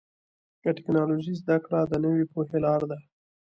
د ټکنالوجۍ زدهکړه د نوې پوهې لاره ده.